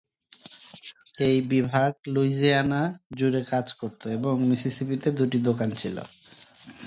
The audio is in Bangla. এই বিভাগ লুইজিয়ানা জুড়ে কাজ করত এবং মিসিসিপিতে দুটি দোকান ছিল।